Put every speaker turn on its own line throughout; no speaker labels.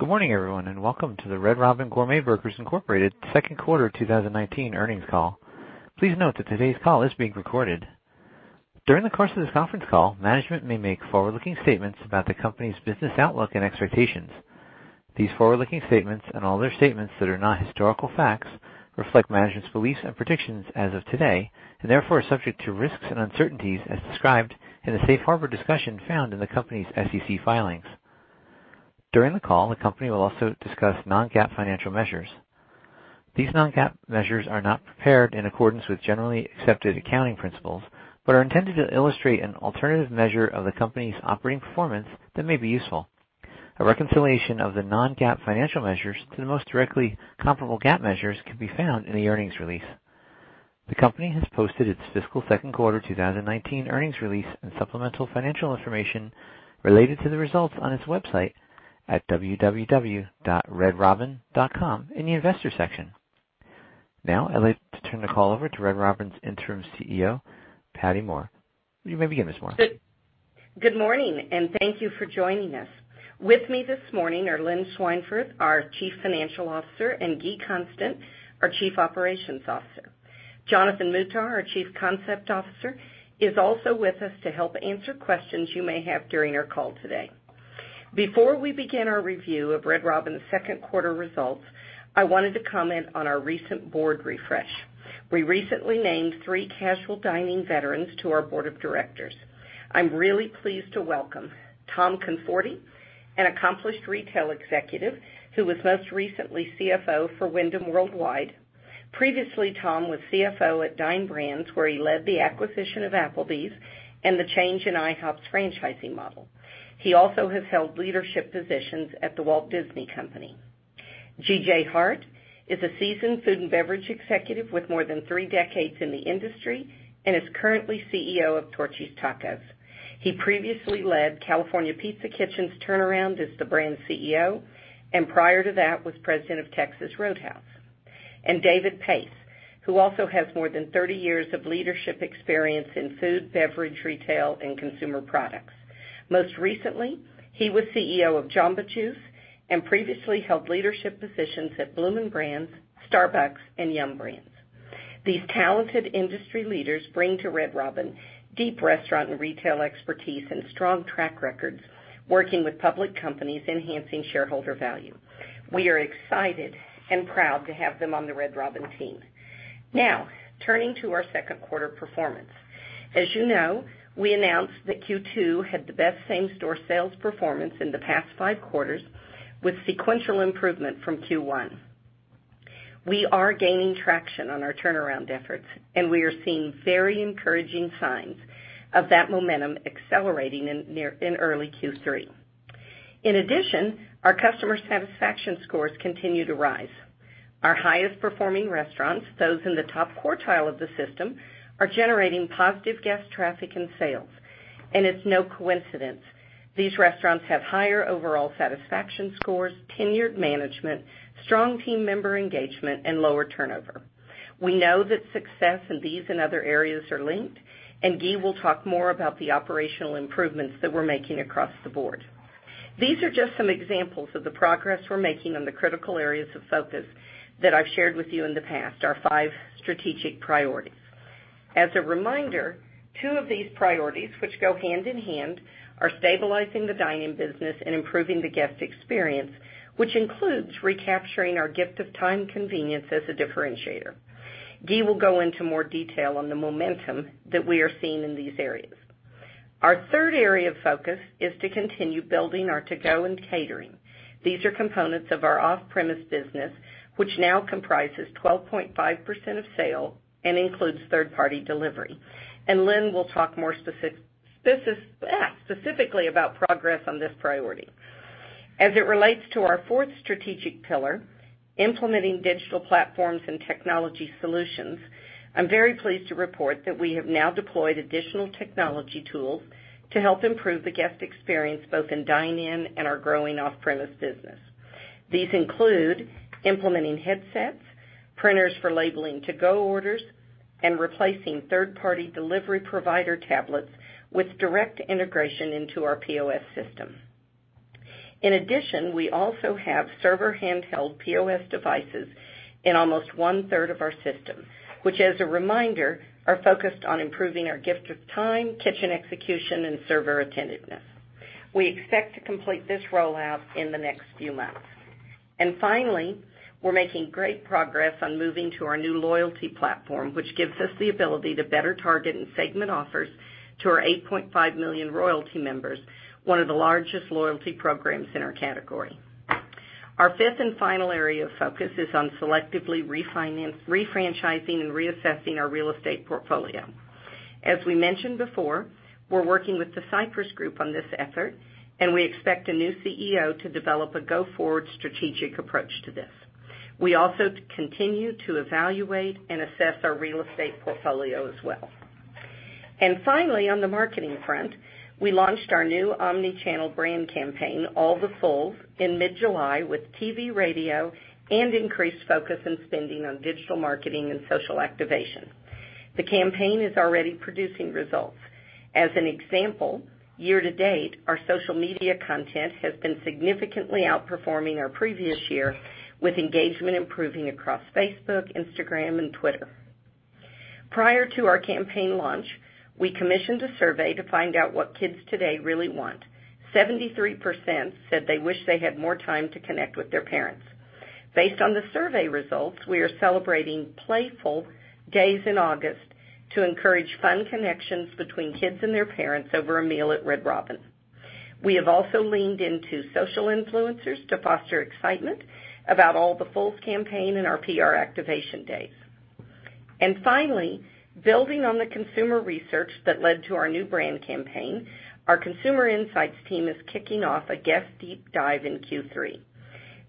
Good morning, everyone, and welcome to the Red Robin Gourmet Burgers, Inc. second quarter 2019 earnings call. Please note that today's call is being recorded. During the course of this conference call, management may make forward-looking statements about the company's business outlook and expectations. These forward-looking statements, and all other statements that are not historical facts, reflect management's beliefs and predictions as of today, and therefore are subject to risks and uncertainties as described in the safe harbor discussion found in the company's SEC filings. During the call, the company will also discuss non-GAAP financial measures. These non-GAAP measures are not prepared in accordance with generally accepted accounting principles but are intended to illustrate an alternative measure of the company's operating performance that may be useful. A reconciliation of the non-GAAP financial measures to the most directly comparable GAAP measures can be found in the earnings release. The company has posted its fiscal second quarter 2019 earnings release and supplemental financial information related to the results on its website at www.redrobin.com in the investor section. Now, I'd like to turn the call over to Red Robin's Interim CEO, Pattye Moore. You may begin, Ms. Moore.
Good morning. Thank you for joining us. With me this morning are Lynn Schweinfurth, our Chief Financial Officer, and Guy Constant, our Chief Operations Officer. Jonathan Muhtar, our Chief Concept Officer, is also with us to help answer questions you may have during our call today. Before we begin our review of Red Robin's second quarter results, I wanted to comment on our recent board refresh. We recently named three casual dining veterans to our board of directors. I'm really pleased to welcome Tom Conforti, an accomplished retail executive who was most recently CFO for Wyndham Worldwide. Previously, Tom was CFO at Dine Brands, where he led the acquisition of Applebee's and the change in IHOP's franchising model. He also has held leadership positions at The Walt Disney Company. G.J. Hart is a seasoned food and beverage executive with more than three decades in the industry and is currently CEO of Torchy's Tacos. He previously led California Pizza Kitchen's turnaround as the brand CEO and prior to that, was president of Texas Roadhouse. David Pace, who also has more than 30 years of leadership experience in food, beverage, retail, and consumer products. Most recently, he was CEO of Jamba Juice and previously held leadership positions at Bloomin' Brands, Starbucks, and Yum! Brands. These talented industry leaders bring to Red Robin deep restaurant and retail expertise and strong track records working with public companies enhancing shareholder value. We are excited and proud to have them on the Red Robin team. Now, turning to our second quarter performance. As you know, we announced that Q2 had the best same-store sales performance in the past five quarters with sequential improvement from Q1. We are gaining traction on our turnaround efforts. We are seeing very encouraging signs of that momentum accelerating in early Q3. In addition, our customer satisfaction scores continue to rise. Our highest performing restaurants, those in the top quartile of the system, are generating positive guest traffic and sales. It's no coincidence. These restaurants have higher overall satisfaction scores, tenured management, strong team member engagement, and lower turnover. We know that success in these and other areas are linked. G.J. will talk more about the operational improvements that we're making across the board. These are just some examples of the progress we're making on the critical areas of focus that I've shared with you in the past, our five strategic priorities. As a reminder, two of these priorities, which go hand in hand, are stabilizing the dine-in business and improving the guest experience, which includes recapturing our gift of time convenience as a differentiator. Guy will go into more detail on the momentum that we are seeing in these areas. Our third area of focus is to continue building our to-go and catering. These are components of our off-premise business, which now comprises 12.5% of sales and includes third-party delivery. Lynn will talk more specifically about progress on this priority. As it relates to our fourth strategic pillar, implementing digital platforms and technology solutions, I'm very pleased to report that we have now deployed additional technology tools to help improve the guest experience, both in dine-in and our growing off-premise business. These include implementing headsets, printers for labeling to-go orders, and replacing third-party delivery provider tablets with direct integration into our POS system. In addition, we also have server handheld POS devices in almost one-third of our system, which, as a reminder, are focused on improving our gift of time, kitchen execution, and server attentiveness. We expect to complete this rollout in the next few months. Finally, we're making great progress on moving to our new loyalty platform, which gives us the ability to better target and segment offers to our 8.5 million Royalty members, one of the largest loyalty programs in our category. Our fifth and final area of focus is on selectively refranchising and reassessing our real estate portfolio. As we mentioned before, we're working with The Cypress Group on this effort, and we expect a new CEO to develop a go-forward strategic approach to this. We also continue to evaluate and assess our real estate portfolio as well. Finally, on the marketing front, we launched our new omni-channel brand campaign, All the Fulls, in mid-July with TV, radio, and increased focus and spending on digital marketing and social activation. The campaign is already producing results. As an example, year to date, our social media content has been significantly outperforming our previous year, with engagement improving across Facebook, Instagram, and Twitter. Prior to our campaign launch, we commissioned a survey to find out what kids today really want. 73% said they wish they had more time to connect with their parents. Based on the survey results, we are celebrating Play Full days in August to encourage fun connections between kids and their parents over a meal at Red Robin. We have also leaned into social influencers to foster excitement about All the Fulls and our PR activation days. Finally, building on the consumer research that led to our new brand campaign, our consumer insights team is kicking off a guest deep dive in Q3.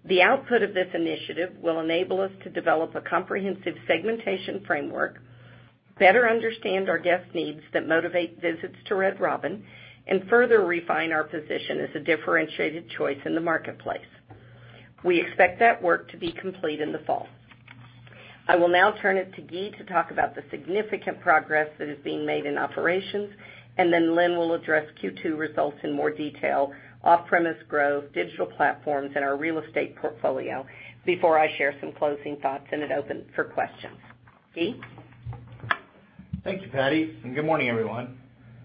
The output of this initiative will enable us to develop a comprehensive segmentation framework, better understand our guest needs that motivate visits to Red Robin, and further refine our position as a differentiated choice in the marketplace. We expect that work to be complete in the fall. I will now turn it to Guy to talk about the significant progress that is being made in operations, then Lynn will address Q2 results in more detail, off-premise growth, digital platforms, and our real estate portfolio before I share some closing thoughts and it opens for questions. Guy?
Thank you, Pattye. Good morning, everyone.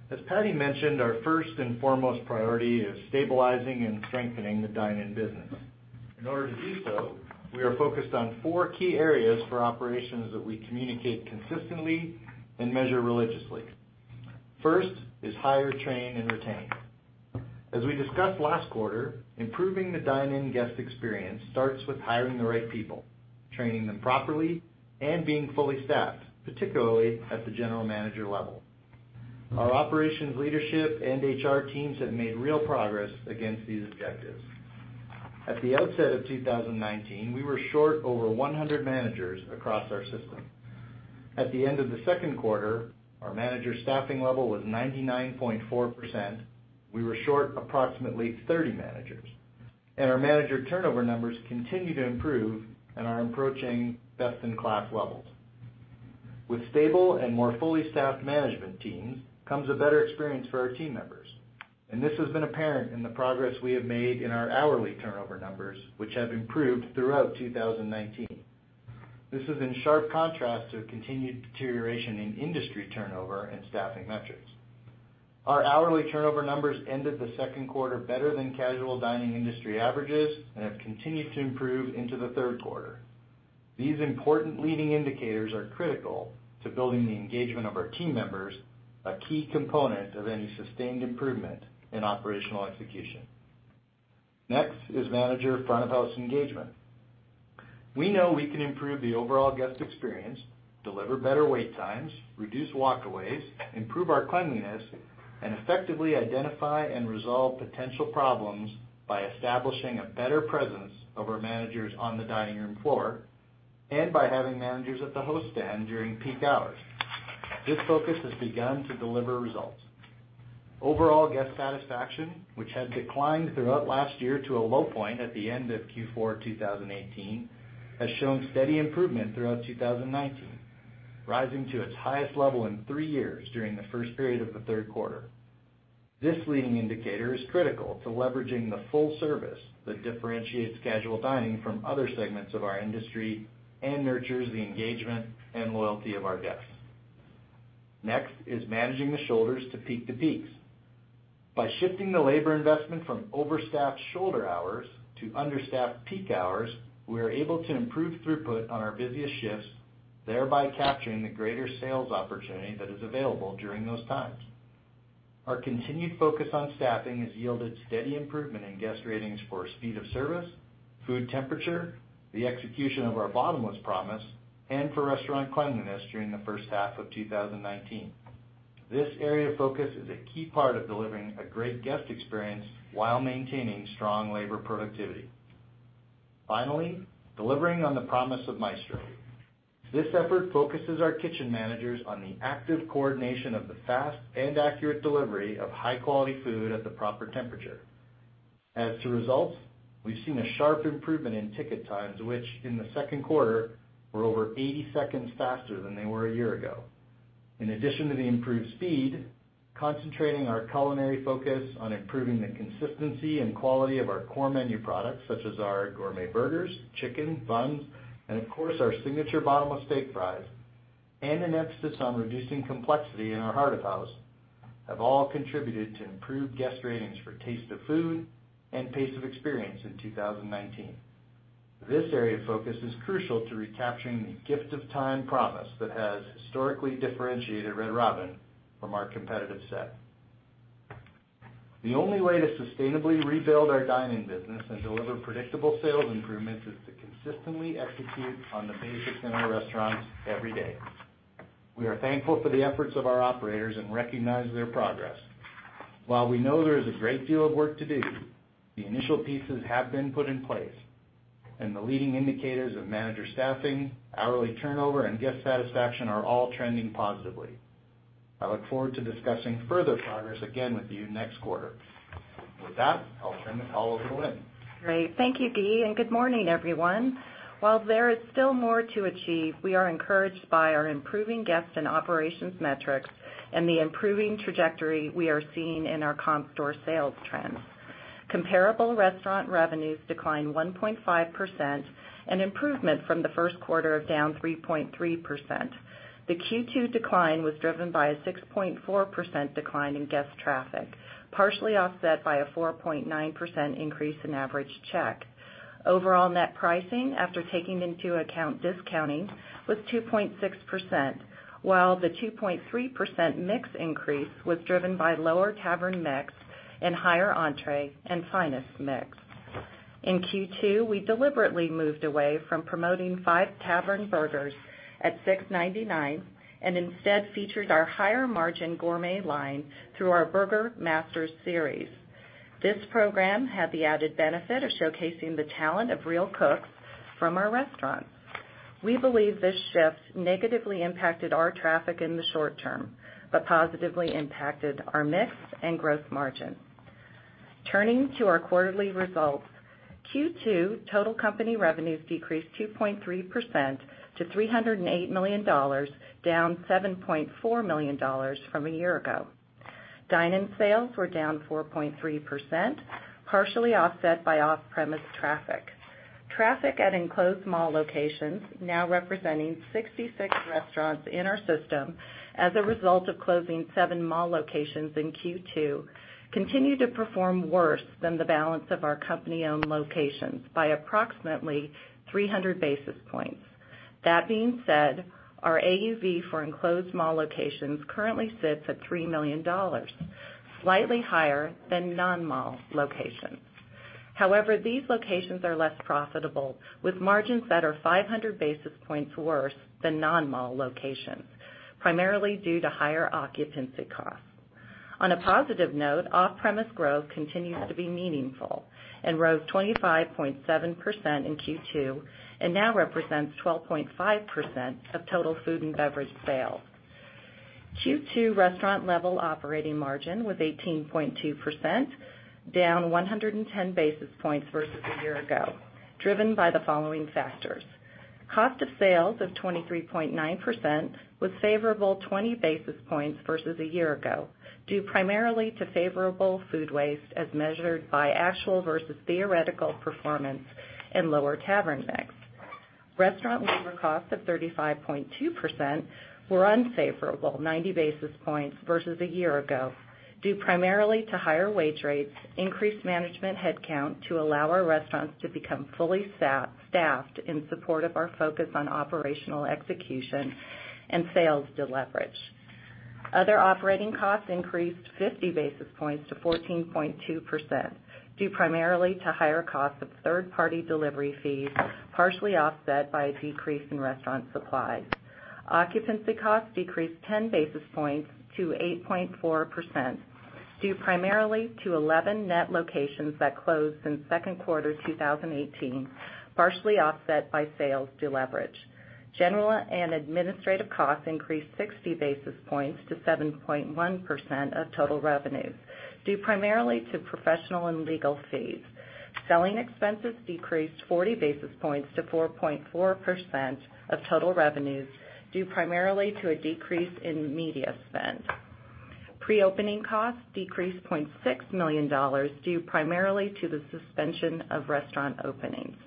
As Pattye mentioned, our first and foremost priority is stabilizing and strengthening the dine-in business. In order to do so, we are focused on four key areas for operations that we communicate consistently and measure religiously. First is hire, train, and retain. As we discussed last quarter, improving the dine-in guest experience starts with hiring the right people, training them properly, and being fully staffed, particularly at the general manager level. Our operations leadership and HR teams have made real progress against these objectives. At the outset of 2019, we were short over 100 managers across our system. At the end of the second quarter, our manager staffing level was 99.4%. We were short approximately 30 managers. Our manager turnover numbers continue to improve and are approaching best-in-class levels. With stable and more fully staffed management teams comes a better experience for our team members, and this has been apparent in the progress we have made in our hourly turnover numbers, which have improved throughout 2019. This is in sharp contrast to a continued deterioration in industry turnover and staffing metrics. Our hourly turnover numbers ended the second quarter better than casual dining industry averages and have continued to improve into the third quarter. These important leading indicators are critical to building the engagement of our team members, a key component of any sustained improvement in operational execution. Next is manager front-of-house engagement. We know we can improve the overall guest experience, deliver better wait times, reduce walkaways, improve our cleanliness, and effectively identify and resolve potential problems by establishing a better presence of our managers on the dining room floor and by having managers at the host stand during peak hours. This focus has begun to deliver results. Overall guest satisfaction, which had declined throughout last year to a low point at the end of Q4 2018, has shown steady improvement throughout 2019, rising to its highest level in three years during the first period of the third quarter. Next is managing the shoulders to peak the peaks. By shifting the labor investment from overstaffed shoulder hours to understaffed peak hours, we are able to improve throughput on our busiest shifts, thereby capturing the greater sales opportunity that is available during those times. Our continued focus on staffing has yielded steady improvement in guest ratings for speed of service, food temperature, the execution of our Bottomless Steak Fries, and for restaurant cleanliness during the first half of 2019. This area of focus is a key part of delivering a great guest experience while maintaining strong labor productivity. Finally, delivering on the promise of Maestro. This effort focuses our kitchen managers on the active coordination of the fast and accurate delivery of high-quality food at the proper temperature. As to results, we've seen a sharp improvement in ticket times, which in the second quarter, were over 80 seconds faster than they were a year ago. In addition to the improved speed, concentrating our culinary focus on improving the consistency and quality of our core menu products such as our gourmet burgers, chicken, buns, and of course, our signature Bottomless Steak Fries, and an emphasis on reducing complexity in our heart of house, have all contributed to improved guest ratings for taste of food and pace of experience in 2019. This area of focus is crucial to recapturing the gift of time promise that has historically differentiated Red Robin from our competitive set. The only way to sustainably rebuild our dine-in business and deliver predictable sales improvements is to consistently execute on the basics in our restaurants every day. We are thankful for the efforts of our operators and recognize their progress. While we know there is a great deal of work to do, the initial pieces have been put in place and the leading indicators of manager staffing, hourly turnover, and guest satisfaction are all trending positively. I look forward to discussing further progress again with you next quarter. With that, I'll turn the call over to Lynn.
Great. Thank you, Guy. Good morning, everyone. While there is still more to achieve, we are encouraged by our improving guest and operations metrics and the improving trajectory we are seeing in our comp store sales trends. Comparable restaurant revenues declined 1.5%, an improvement from the first quarter of down 3.3%. The Q2 decline was driven by a 6.4% decline in guest traffic, partially offset by a 4.9% increase in average check. Overall net pricing, after taking into account discounting, was 2.6%, while the 2.3% mix increase was driven by lower Tavern mix and higher entree and finest mix. In Q2, we deliberately moved away from promoting 5 Tavern burgers at $6.99, and instead featured our higher margin gourmet line through our Burger Masters Series. This program had the added benefit of showcasing the talent of real cooks from our restaurants. We believe this shift negatively impacted our traffic in the short term, but positively impacted our mix and gross margin. Turning to our quarterly results, Q2 total company revenues decreased 2.3% to $308 million, down $7.4 million from a year ago. Dine-in sales were down 4.3%, partially offset by off-premise traffic. Traffic at enclosed mall locations, now representing 66 restaurants in our system as a result of closing seven mall locations in Q2, continue to perform worse than the balance of our company-owned locations by approximately 300 basis points. That being said, our AUV for enclosed mall locations currently sits at $3 million, slightly higher than non-mall locations. However, these locations are less profitable, with margins that are 500 basis points worse than non-mall locations, primarily due to higher occupancy costs. On a positive note, off-premise growth continues to be meaningful and rose 25.7% in Q2, and now represents 12.5% of total food and beverage sales. Q2 restaurant level operating margin was 18.2%, down 110 basis points versus a year ago, driven by the following factors. Cost of sales of 23.9% was favorable 20 basis points versus a year ago, due primarily to favorable food waste as measured by actual versus theoretical performance and lower Tavern mix. Restaurant labor costs of 35.2% were unfavorable 90 basis points versus a year ago, due primarily to higher wage rates, increased management headcount to allow our restaurants to become fully staffed in support of our focus on operational execution and sales deleverage. Other operating costs increased 50 basis points to 14.2%, due primarily to higher costs of third-party delivery fees, partially offset by a decrease in restaurant supplies. Occupancy costs decreased 10 basis points to 8.4%, due primarily to 11 net locations that closed in second quarter 2018, partially offset by sales deleverage. General and administrative costs increased 60 basis points to 7.1% of total revenues, due primarily to professional and legal fees. Selling expenses decreased 40 basis points to 4.4% of total revenues, due primarily to a decrease in media spend. Pre-opening costs decreased $0.6 million, due primarily to the suspension of restaurant openings.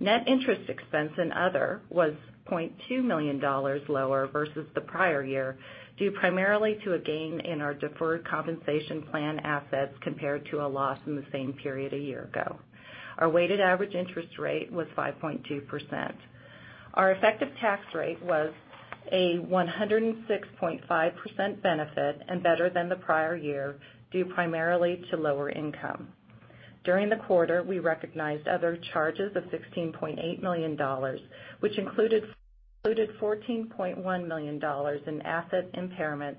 Net interest expense and other was $0.2 million lower versus the prior year, due primarily to a gain in our deferred compensation plan assets compared to a loss in the same period a year ago. Our weighted average interest rate was 5.2%. Our effective tax rate was a 106.5% benefit and better than the prior year, due primarily to lower income. During the quarter, we recognized other charges of $16.8 million, which included $14.1 million in asset impairments,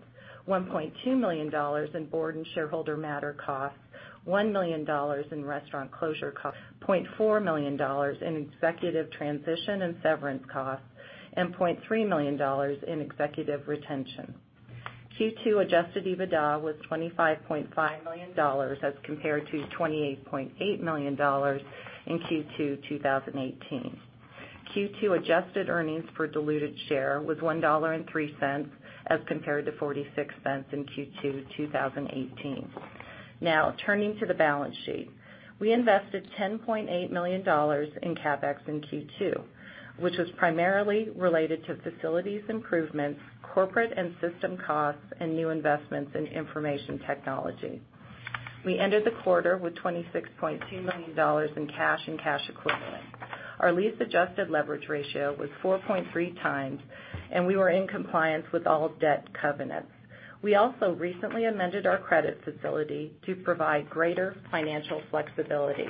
$1.2 million in board and shareholder matter costs, $1 million in restaurant closure costs, $0.4 million in executive transition and severance costs, and $0.3 million in executive retention. Q2 adjusted EBITDA was $25.5 million as compared to $28.8 million in Q2 2018. Q2 adjusted earnings per diluted share was $1.03 as compared to $0.46 in Q2 2018. Now turning to the balance sheet. We invested $10.8 million in CapEx in Q2, which was primarily related to facilities improvements, corporate and system costs, and new investments in information technology. We ended the quarter with $26.2 million in cash and cash equivalents. Our lease-adjusted leverage ratio was 4.3 times, and we were in compliance with all debt covenants. We also recently amended our credit facility to provide greater financial flexibility.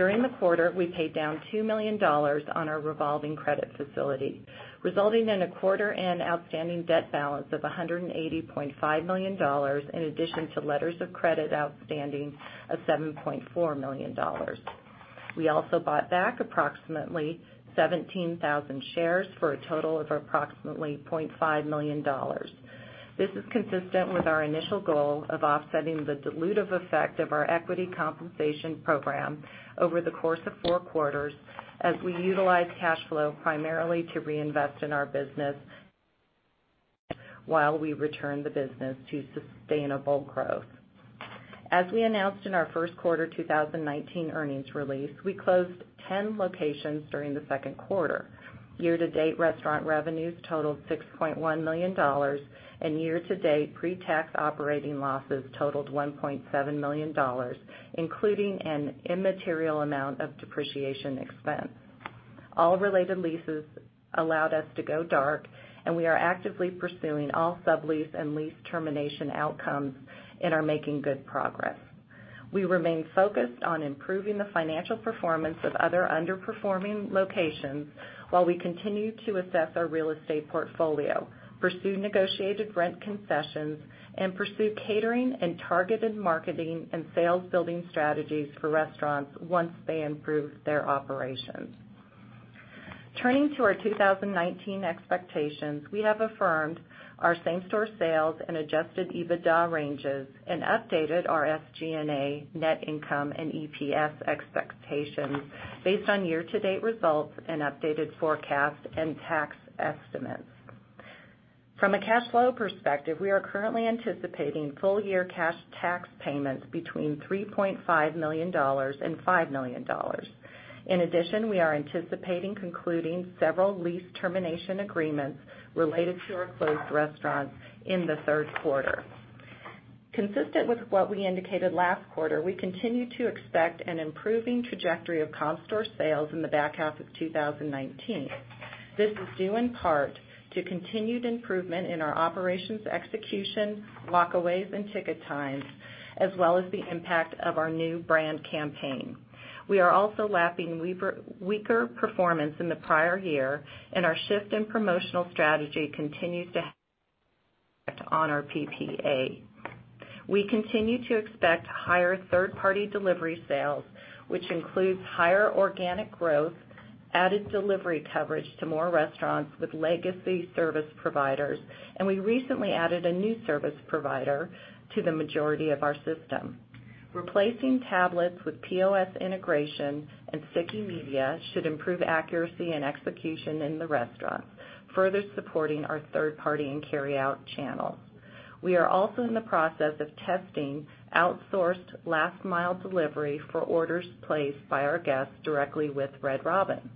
During the quarter, we paid down $2 million on our revolving credit facility, resulting in a quarter-end outstanding debt balance of $180.5 million, in addition to letters of credit outstanding of $7.4 million. We also bought back approximately 17,000 shares for a total of approximately $0.5 million. This is consistent with our initial goal of offsetting the dilutive effect of our equity compensation program over the course of four quarters as we utilize cash flow primarily to reinvest in our business while we return the business to sustainable growth. As we announced in our first quarter 2019 earnings release, we closed 10 locations during the second quarter. Year-to-date restaurant revenues totaled $6.1 million, and year-to-date pre-tax operating losses totaled $1.7 million, including an immaterial amount of depreciation expense. All related leases allowed us to go dark, and we are actively pursuing all sublease and lease termination outcomes and are making good progress. We remain focused on improving the financial performance of other underperforming locations while we continue to assess our real estate portfolio, pursue negotiated rent concessions, and pursue catering and targeted marketing and sales building strategies for restaurants once they improve their operations. Turning to our 2019 expectations, we have affirmed our same-store sales and adjusted EBITDA ranges and updated our SG&A net income and EPS expectations based on year-to-date results and updated forecasts and tax estimates. From a cash flow perspective, we are currently anticipating full-year cash tax payments between $3.5 million and $5 million. In addition, we are anticipating concluding several lease termination agreements related to our closed restaurants in the third quarter. Consistent with what we indicated last quarter, we continue to expect an improving trajectory of comp store sales in the back half of 2019. This is due in part to continued improvement in our operations execution, walkaways, and ticket times, as well as the impact of our new brand campaign. Our shift in promotional strategy continues to on our PPA. We continue to expect higher third-party delivery sales, which includes higher organic growth, added delivery coverage to more restaurants with legacy service providers, and we recently added a new service provider to the majority of our system. Replacing tablets with POS integration and sticky media should improve accuracy and execution in the restaurants, further supporting our third party and carryout channels. We are also in the process of testing outsourced last-mile delivery for orders placed by our guests directly with Red Robin,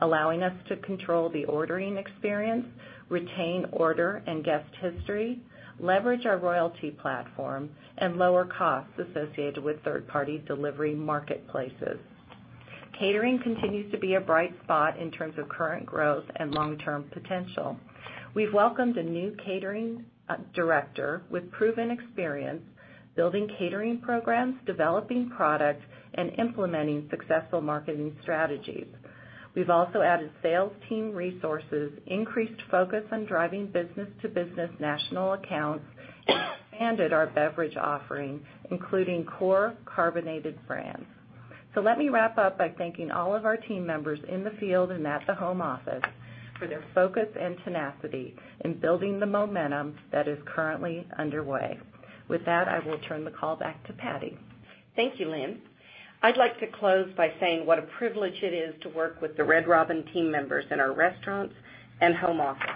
allowing us to control the ordering experience, retain order and guest history, leverage our Royalty platform, and lower costs associated with third-party delivery marketplaces. Catering continues to be a bright spot in terms of current growth and long-term potential. We've welcomed a new catering director with proven experience building catering programs, developing products, and implementing successful marketing strategies. We've also added sales team resources, increased focus on driving business-to-business national accounts, and expanded our beverage offering, including core carbonated brands. Let me wrap up by thanking all of our team members in the field and at the home office for their focus and tenacity in building the momentum that is currently underway. With that, I will turn the call back to Pattye.
Thank you, Lynn. I'd like to close by saying what a privilege it is to work with the Red Robin team members in our restaurants and home office.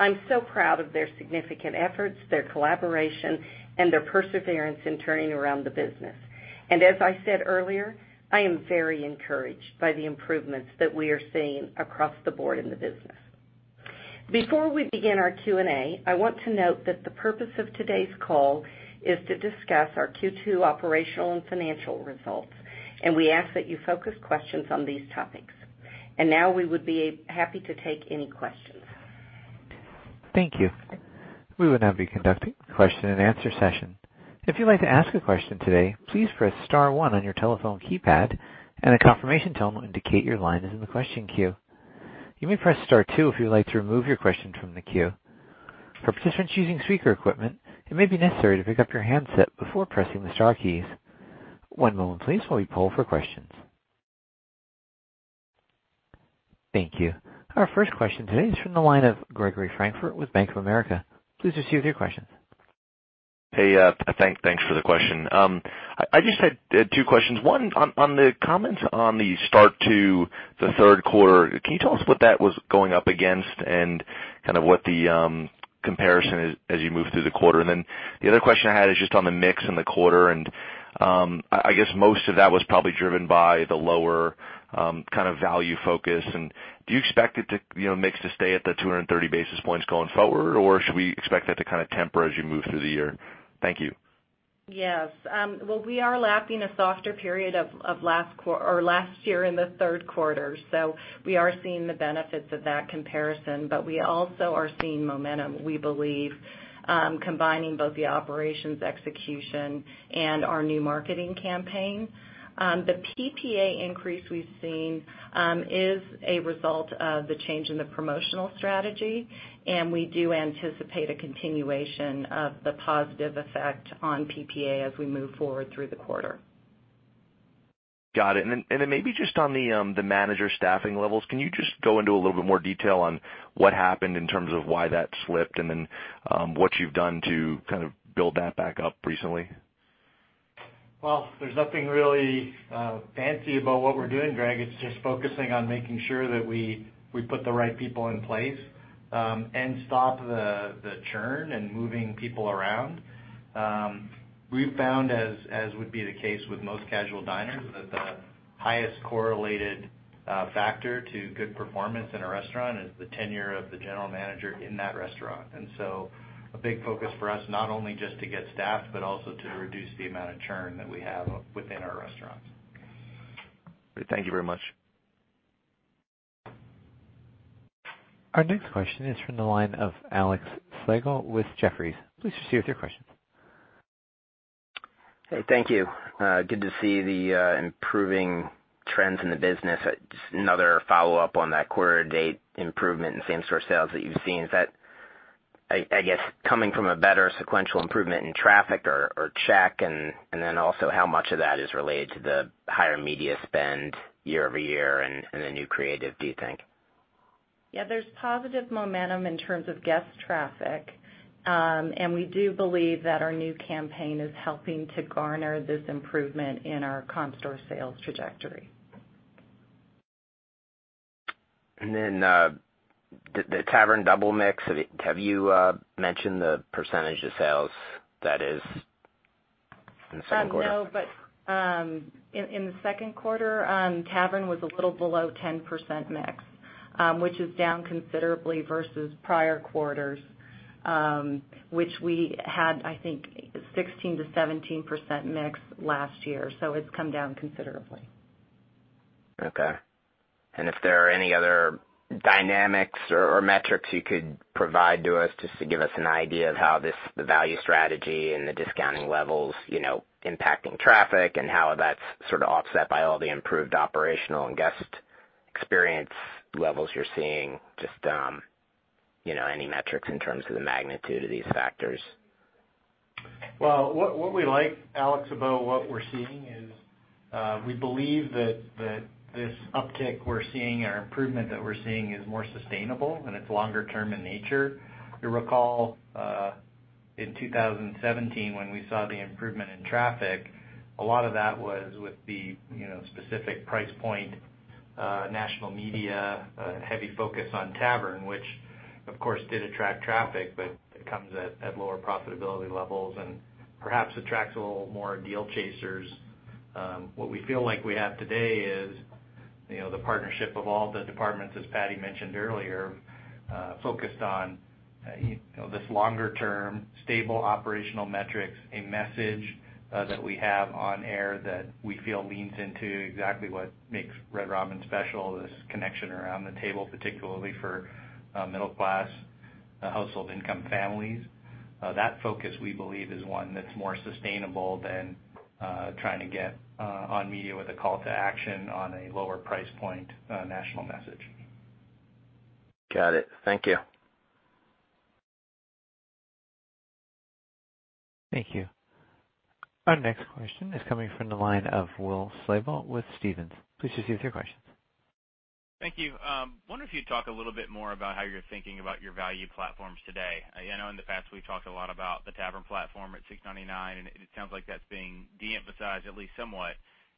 I'm so proud of their significant efforts, their collaboration, and their perseverance in turning around the business. As I said earlier, I am very encouraged by the improvements that we are seeing across the board in the business. Before we begin our Q&A, I want to note that the purpose of today's call is to discuss our Q2 operational and financial results, and we ask that you focus questions on these topics. Now we would be happy to take any questions.
Thank you. We will now be conducting the question and answer session. If you'd like to ask a question today, please press *1 on your telephone keypad, and a confirmation tone will indicate your line is in the question queue. You may press *2 if you'd like to remove your question from the queue. For participants using speaker equipment, it may be necessary to pick up your handset before pressing the star keys. One moment please while we poll for questions. Thank you. Our first question today is from the line of Gregory Francfort with Bank of America. Please proceed with your question.
Hey, thanks for the question. I just had two questions. One, on the comments on the start to the third quarter, can you tell us what that was going up against and kind of what the comparison is as you move through the quarter? The other question I had is just on the mix in the quarter, and I guess most of that was probably driven by the lower value focus. Do you expect the mix to stay at the 230 basis points going forward, or should we expect that to temper as you move through the year? Thank you.
Yes. Well, we are lapping a softer period of last year in the third quarter. We are seeing the benefits of that comparison, but we also are seeing momentum, we believe, combining both the operations execution and our new marketing campaign. The PPA increase we've seen is a result of the change in the promotional strategy, and we do anticipate a continuation of the positive effect on PPA as we move forward through the quarter.
Got it. Maybe just on the manager staffing levels, can you just go into a little bit more detail on what happened in terms of why that slipped and then what you've done to kind of build that back up recently?
Well, there's nothing really fancy about what we're doing, Greg. It's just focusing on making sure that we put the right people in place and stop the churn and moving people around. We've found, as would be the case with most casual diners, that the highest correlated factor to good performance in a restaurant is the tenure of the general manager in that restaurant. A big focus for us, not only just to get staffed, but also to reduce the amount of churn that we have within our restaurants.
Thank you very much.
Our next question is from the line of Alexander Slagle with Jefferies. Please proceed with your question.
Hey, thank you. Good to see the improving trends in the business. Just another follow-up on that quarter to date improvement in same store sales that you've seen. Is that, I guess, coming from a better sequential improvement in traffic or check? Also how much of that is related to the higher media spend year-over-year and the new creative, do you think?
Yeah, there's positive momentum in terms of guest traffic. We do believe that our new campaign is helping to garner this improvement in our comp store sales trajectory.
The Tavern Double mix, have you mentioned the % of sales that is in the second quarter?
In the second quarter, Tavern was a little below 10% mix, which is down considerably versus prior quarters, which we had, I think 16%-17% mix last year. It's come down considerably.
Okay. If there are any other dynamics or metrics you could provide to us just to give us an idea of how this, the value strategy and the discounting levels impacting traffic and how that's sort of offset by all the improved operational and guest experience levels you're seeing, just any metrics in terms of the magnitude of these factors?
What we like, Alex, about what we're seeing is we believe that this uptick we're seeing or improvement that we're seeing is more sustainable, and it's longer term in nature. You recall, in 2017 when we saw the improvement in traffic, a lot of that was with the specific price point, national media, heavy focus on Tavern, which of course did attract traffic, but it comes at lower profitability levels and perhaps attracts a little more deal chasers. What we feel like we have today is the partnership of all the departments, as Pattye mentioned earlier, focused on this longer-term stable operational metrics, a message that we have on air that we feel leans into exactly what makes Red Robin special, this connection around the table, particularly for middle-class household income families. That focus, we believe, is one that's more sustainable than trying to get on media with a call to action on a lower price point national message.
Got it. Thank you.
Thank you. Our next question is coming from the line of Will Slabaugh with Stephens. Please proceed with your questions.
Thank you. Wonder if you'd talk a little bit more about how you're thinking about your value platforms today. I know in the past we've talked a lot about the Tavern platform at $6.99. It sounds like that's being de-emphasized at least somewhat.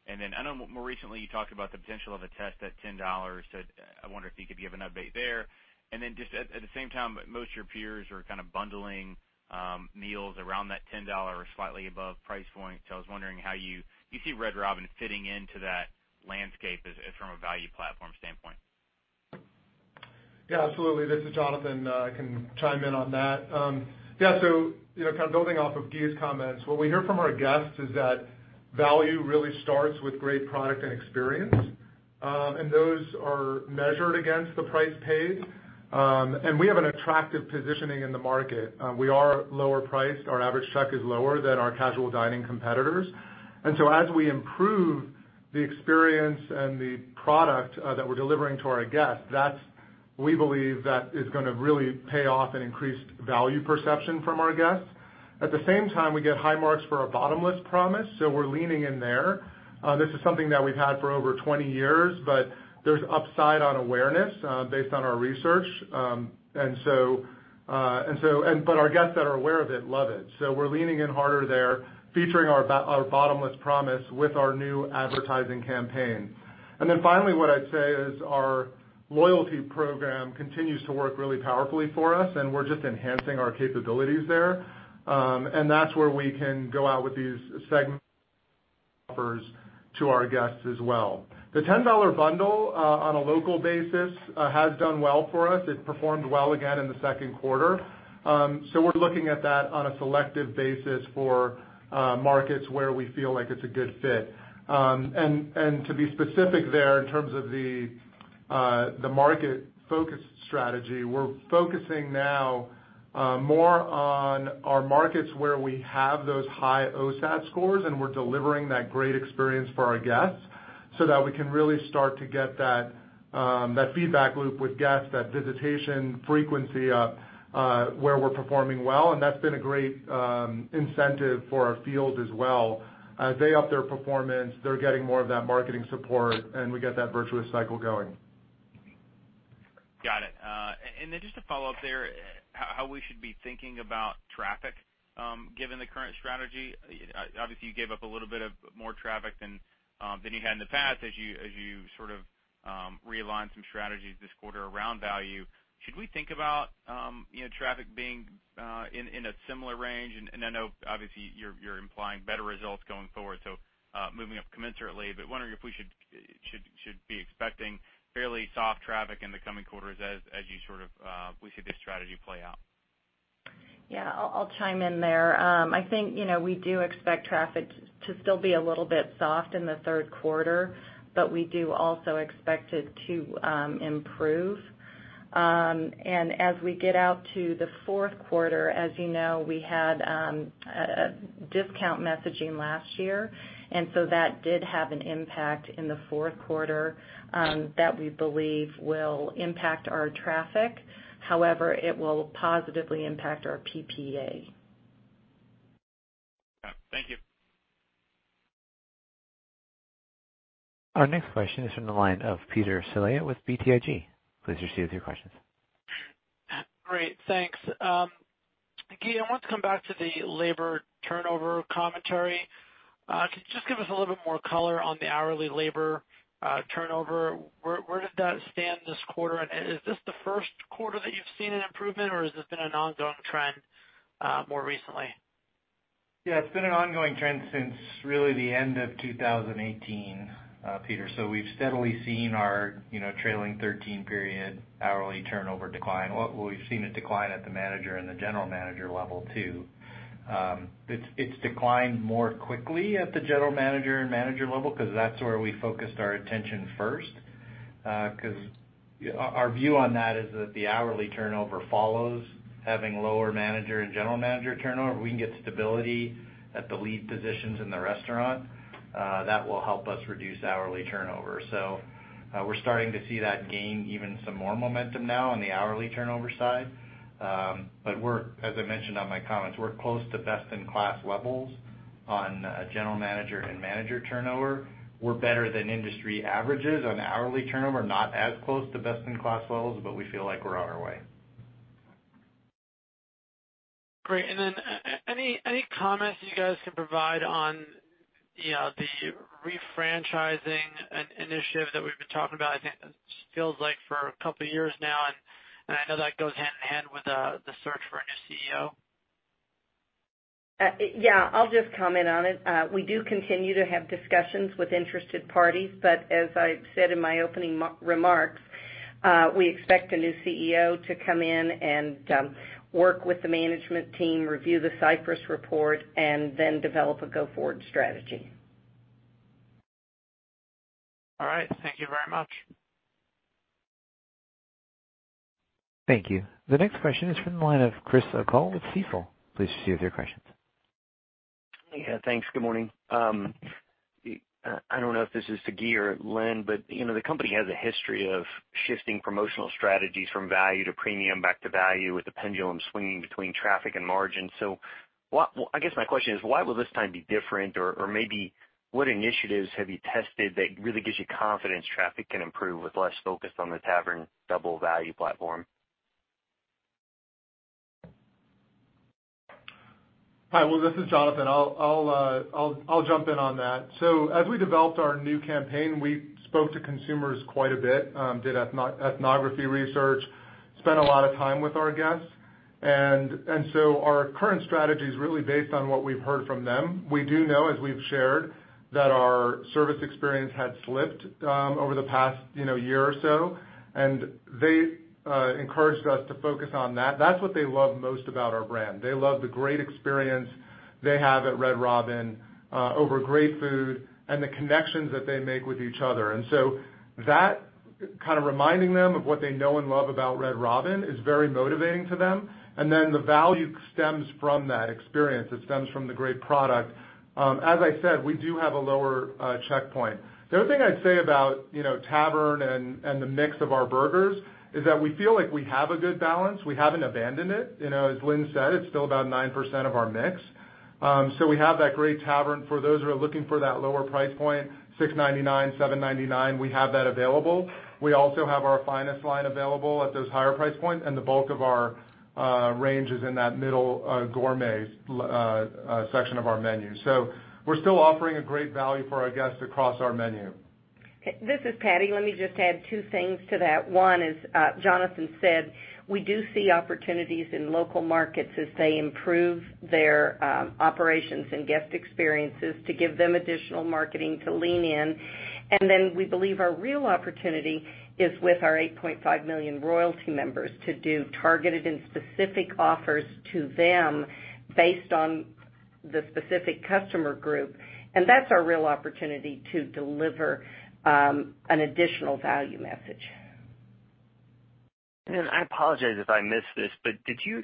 I know more recently you talked about the potential of a test at $10. I wonder if you could give an update there. Just at the same time, most of your peers are kind of bundling meals around that $10 or slightly above price point. I was wondering how you see Red Robin fitting into that landscape from a value platform standpoint.
Absolutely. This is Jonathan. I can chime in on that. Kind of building off of Guy's comments, what we hear from our guests is that value really starts with great product and experience. Those are measured against the price paid. We have an attractive positioning in the market. We are lower priced. Our average check is lower than our casual dining competitors. As we improve the experience and the product that we're delivering to our guests, we believe that is going to really pay off in increased value perception from our guests. At the same time, we get high marks for our bottomless promise, we're leaning in there. This is something that we've had for over 20 years, there's upside on awareness based on our research. Our guests that are aware of it love it. We're leaning in harder there, featuring our Bottomless promise with our new advertising campaign. Finally, what I'd say is our loyalty program continues to work really powerfully for us, and we're just enhancing our capabilities there. That's where we can go out with these segment offers to our guests as well. The $10 bundle on a local basis has done well for us. It performed well again in the second quarter. We're looking at that on a selective basis for markets where we feel like it's a good fit. To be specific there in terms of the market focus strategy, we're focusing now more on our markets where we have those high OSAT scores, and we're delivering that great experience for our guests so that we can really start to get that feedback loop with guests, that visitation frequency up where we're performing well, and that's been a great incentive for our field as well. As they up their performance, they're getting more of that marketing support, and we get that virtuous cycle going.
Got it. Just to follow up there, how we should be thinking about traffic, given the current strategy. Obviously, you gave up a little bit of more traffic than you had in the past as you realigned some strategies this quarter around value. Should we think about traffic being in a similar range? I know obviously you're implying better results going forward, so moving up commensurately, but wondering if we should be expecting fairly soft traffic in the coming quarters as we see this strategy play out.
Yeah, I'll chime in there. I think, we do expect traffic to still be a little bit soft in the third quarter, but we do also expect it to improve. As we get out to the fourth quarter, as you know, we had a discount messaging last year, and so that did have an impact in the fourth quarter, that we believe will impact our traffic. However, it will positively impact our PPA.
Got it. Thank you.
Our next question is from the line of Peter Saleh with BTIG. Please proceed with your questions.
Great. Thanks. Guy, I wanted to come back to the labor turnover commentary. Can you just give us a little bit more color on the hourly labor turnover? Where does that stand this quarter? Is this the first quarter that you've seen an improvement or has this been an ongoing trend more recently?
Yeah, it's been an ongoing trend since really the end of 2018, Peter. We've steadily seen our trailing 13 period hourly turnover decline. Well, we've seen it decline at the manager and the general manager level too. It's declined more quickly at the general manager and manager level because that's where we focused our attention first, because our view on that is that the hourly turnover follows having lower manager and general manager turnover. We can get stability at the lead positions in the restaurant. That will help us reduce hourly turnover. We're starting to see that gain even some more momentum now on the hourly turnover side. We're, as I mentioned on my comments, we're close to best in class levels on a general manager and manager turnover. We're better than industry averages on hourly turnover, not as close to best-in-class levels, but we feel like we're on our way.
Great. Any comments you guys can provide on the refranchising initiative that we've been talking about, I think it feels like for a couple of years now, and I know that goes hand in hand with the search for a new CEO.
Yeah, I'll just comment on it. We do continue to have discussions with interested parties, but as I said in my opening remarks, we expect a new CEO to come in and work with the management team, review the Cypress report, and then develop a go-forward strategy.
All right. Thank you very much.
Thank you. The next question is from the line of Chris O'Cull with Stifel. Please proceed with your questions.
Yeah, thanks. Good morning. I don't know if this is to Guy or Lynn, but the company has a history of shifting promotional strategies from value to premium back to value with the pendulum swinging between traffic and margin. I guess my question is, why will this time be different or maybe what initiatives have you tested that really gives you confidence traffic can improve with less focus on the Tavern Double value platform?
Hi, well, this is Jonathan. I'll jump in on that. As we developed our new campaign, we spoke to consumers quite a bit, did ethnography research, spent a lot of time with our guests, our current strategy is really based on what we've heard from them. We do know, as we've shared, that our service experience had slipped over the past year or so, and they encouraged us to focus on that. That's what they love most about our brand. They love the great experience they have at Red Robin over great food and the connections that they make with each other. That kind of reminding them of what they know and love about Red Robin is very motivating to them. Then the value stems from that experience. It stems from the great product. As I said, we do have a lower check point. The other thing I'd say about Tavern and the mix of our burgers is that we feel like we have a good balance. We haven't abandoned it. As Lynn said, it's still about 9% of our mix. We have that great Tavern for those who are looking for that lower price point, $6.99, $7.99, we have that available. We also have our finest line available at those higher price points, and the bulk of our range is in that middle gourmet section of our menu. We're still offering a great value for our guests across our menu.
This is Pattye. Let me just add two things to that. One is Jonathan said we do see opportunities in local markets as they improve their operations and guest experiences to give them additional marketing to lean in. We believe our real opportunity is with our 8.5 million Royalty members to do targeted and specific offers to them based on the specific customer group. That's our real opportunity to deliver an additional value message.
I apologize if I missed this, but did you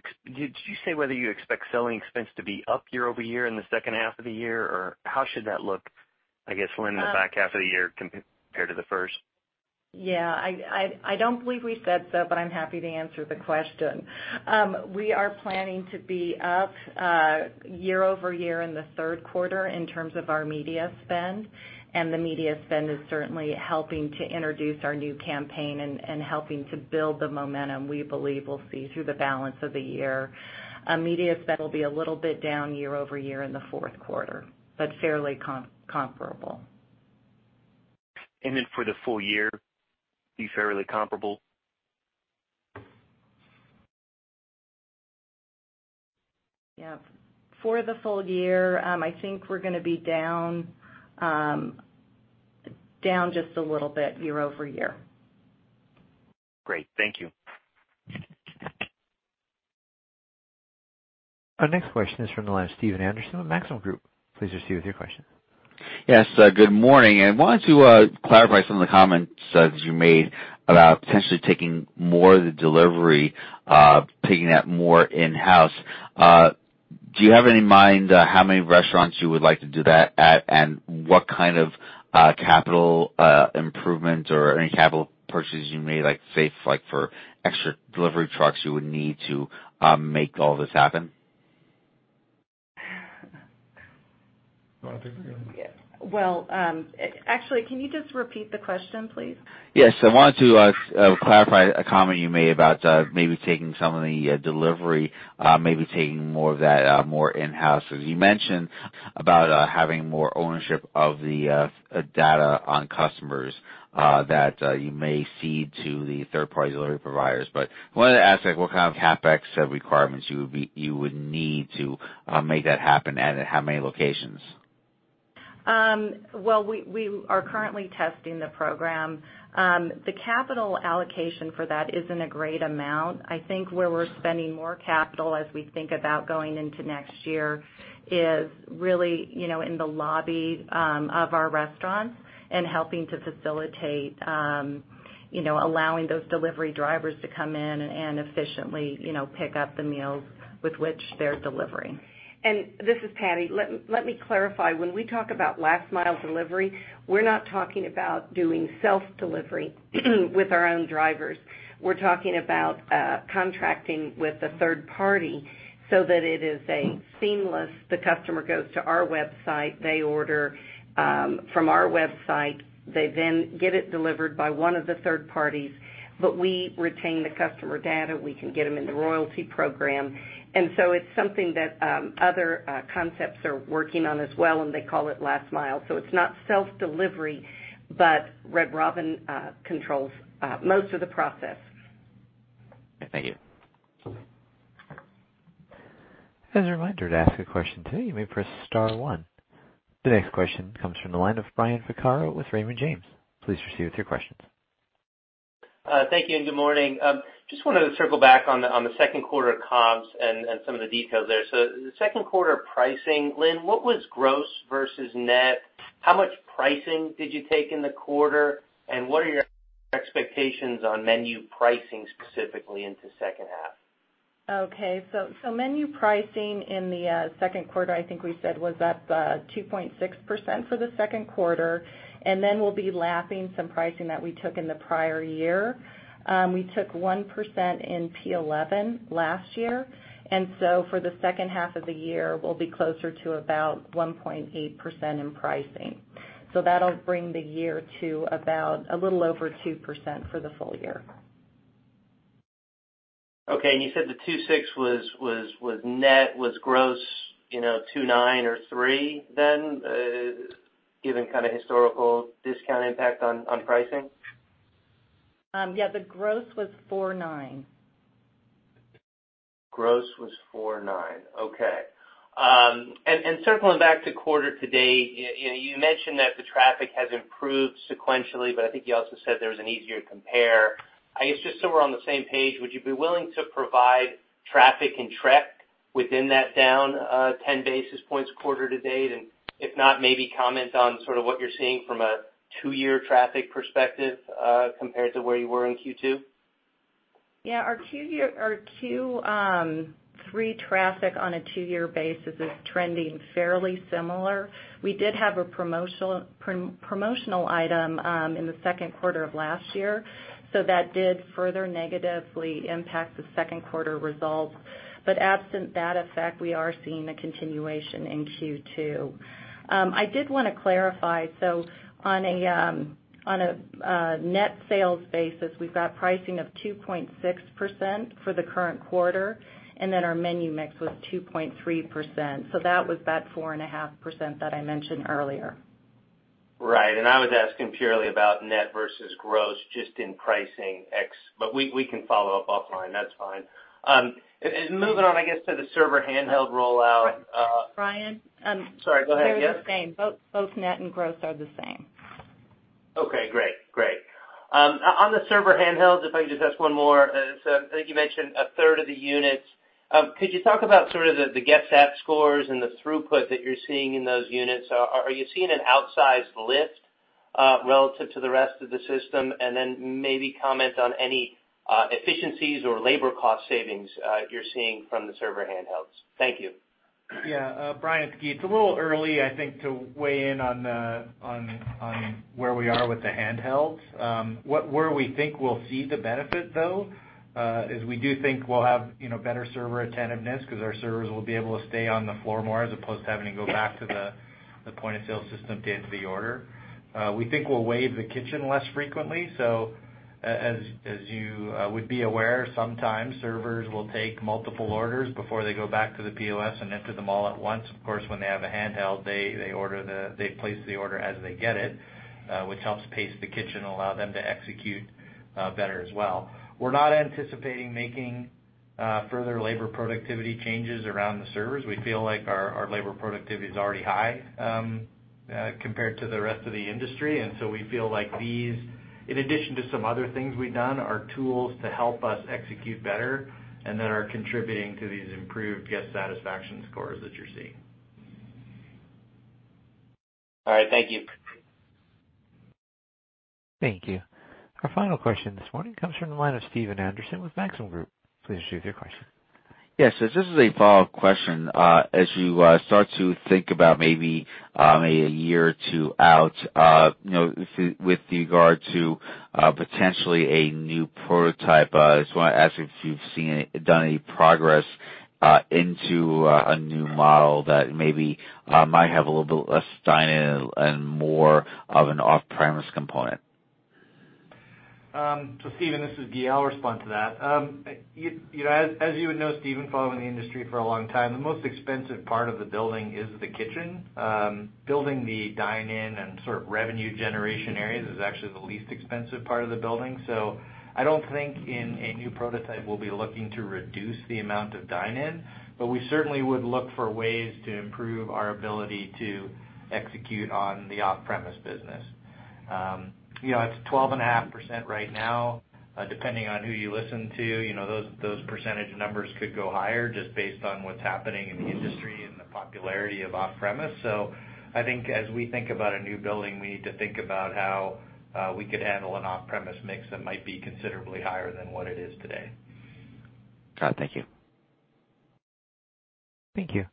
say whether you expect selling expense to be up year-over-year in the second half of the year, or how should that look, I guess, Lynn, the back half of the year compared to the first?
Yeah. I don't believe we said so, but I'm happy to answer the question. We are planning to be up year-over-year in the third quarter in terms of our media spend. The media spend is certainly helping to introduce our new campaign and helping to build the momentum we believe we'll see through the balance of the year. Media spend will be a little bit down year-over-year in the fourth quarter, but fairly comparable.
For the full year, be fairly comparable?
Yeah. For the full year, I think we're going to be down just a little bit year-over-year.
Great. Thank you.
Our next question is from the line of Stephen Anderson of Maxim Group. Please proceed with your question.
Yes. Good morning. I wanted to clarify some of the comments that you made about potentially taking more of the delivery, taking that more in-house. Do you have any mind how many restaurants you would like to do that at? What kind of capital improvement or any capital purchases you may save for extra delivery trucks you would need to make all this happen?
Well, actually, can you just repeat the question, please?
Yes. I wanted to clarify a comment you made about maybe taking some of the delivery, maybe taking more of that more in-house, as you mentioned, about having more ownership of the data on customers that you may cede to the third-party delivery providers. I wanted to ask what kind of CapEx requirements you would need to make that happen and at how many locations?
Well, we are currently testing the program. The capital allocation for that isn't a great amount. I think where we're spending more capital as we think about going into next year is really in the lobby of our restaurants and helping to facilitate allowing those delivery drivers to come in and efficiently pick up the meals with which they're delivering.
This is Pattye. Let me clarify. When we talk about last-mile delivery, we're not talking about doing self-delivery with our own drivers. We're talking about contracting with a third party so that it is seamless. The customer goes to our website, they order from our website, they then get it delivered by one of the third parties, but we retain the customer data. We can get them in the Royalty program. It's something that other concepts are working on as well, and they call it last-mile. It's not self-delivery, but Red Robin controls most of the process.
Thank you.
As a reminder, to ask a question today, you may press star one. The next question comes from the line of Brian Vaccaro with Raymond James. Please proceed with your questions.
Thank you. Good morning. Just wanted to circle back on the second quarter comps and some of the details there. The second quarter pricing, Lynn, what was gross versus net? How much pricing did you take in the quarter? What are your expectations on menu pricing specifically into second half?
Menu pricing in the second quarter, I think we said was up 2.6% for the second quarter. We'll be lapping some pricing that we took in the prior year. We took 1% in P11 last year. For the second half of the year, we'll be closer to about 1.8% in pricing. That'll bring the year to about a little over 2% for the full year.
Okay, you said the 2.6 was net, was gross, 2.9 or 3 then, given historical discount impact on pricing?
Yeah, the gross was 4.9%.
Gross was 4.9%. Okay. Circling back to quarter-to-date, you mentioned that the traffic has improved sequentially, but I think you also said there was an easier compare. I guess just so we're on the same page, would you be willing to provide traffic and check within that down 10 basis points quarter-to-date? If not, maybe comment on sort of what you're seeing from a 2-year traffic perspective compared to where you were in Q2.
Yeah, our Q3 traffic on a two-year basis is trending fairly similar. We did have a promotional item in the second quarter of last year. That did further negatively impact the second quarter results. Absent that effect, we are seeing a continuation in Q2. I did want to clarify, on a net sales basis, we've got pricing of 2.6% for the current quarter, our menu mix was 2.3%. That was that 4.5% that I mentioned earlier.
Right. I was asking purely about net versus gross just in pricing. We can follow up offline. That's fine. Moving on, I guess, to the server handheld rollout.
Brian?
Sorry, go ahead. Yeah.
They're the same. Both net and gross are the same.
Okay, great. On the server handhelds, if I could just ask one more. I think you mentioned a third of the units. Could you talk about sort of the guest app scores and the throughput that you're seeing in those units? Are you seeing an outsized lift relative to the rest of the system? Maybe comment on any efficiencies or labor cost savings you're seeing from the server handhelds. Thank you.
Yeah. Brian, it's Guy. It's a little early, I think, to weigh in on where we are with the handhelds. Where we think we'll see the benefit, though, is we do think we'll have better server attentiveness because our servers will be able to stay on the floor more as opposed to having to go back to the point-of-sale system to enter the order. We think we'll wave the kitchen less frequently. As you would be aware, sometimes servers will take multiple orders before they go back to the POS and enter them all at once. Of course, when they have a handheld, they place the order as they get it, which helps pace the kitchen, allow them to execute better as well. We're not anticipating making further labor productivity changes around the servers. We feel like our labor productivity is already high compared to the rest of the industry. We feel like these, in addition to some other things we've done, are tools to help us execute better and that are contributing to these improved guest satisfaction scores that you're seeing.
All right. Thank you.
Thank you. Our final question this morning comes from the line of Stephen Anderson with Maxim Group. Please proceed with your question.
Yes. This is a follow-up question. As you start to think about maybe a year or two out with regard to potentially a new prototype, I just want to ask if you've done any progress into a new model that maybe might have a little bit less dine-in and more of an off-premise component.
Stephen, this is Guy. I'll respond to that. As you would know, Stephen, following the industry for a long time, the most expensive part of the building is the kitchen. Building the dine-in and sort of revenue generation areas is actually the least expensive part of the building. I don't think in a new prototype we'll be looking to reduce the amount of dine-in, but we certainly would look for ways to improve our ability to execute on the off-premise business. It's 12.5% right now. Depending on who you listen to, those percentage numbers could go higher just based on what's happening in the industry and the popularity of off-premise. I think as we think about a new building, we need to think about how we could handle an off-premise mix that might be considerably higher than what it is today.
Got it. Thank you.
Thank you.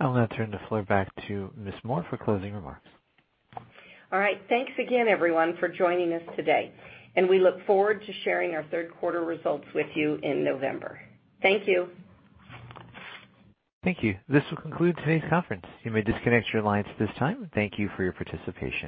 I'll now turn the floor back to Ms. Moore for closing remarks.
All right. Thanks again, everyone, for joining us today, and we look forward to sharing our third quarter results with you in November. Thank you.
Thank you. This will conclude today's conference. You may disconnect your lines at this time. Thank you for your participation.